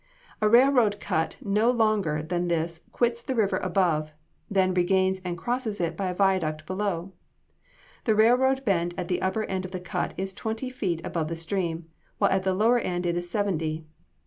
A railroad cut no longer than this quits the river above, then regains and crosses it by a viaduct below. The railroad bed at the upper end of the cut is twenty feet above the stream, while at the lower end it is seventy.